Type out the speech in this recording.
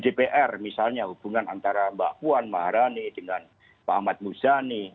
di dpr misalnya hubungan antara mbak puan maharani dengan pak ahmad muzani